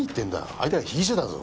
相手は被疑者だぞ。